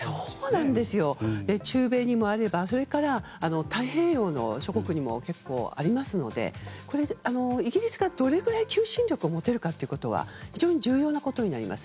中米にもあれば太平洋の諸国にも結構、ありますのでイギリスがどれだけ求心力を持てるかということは非常に重要なことになります。